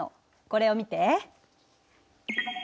これを見て。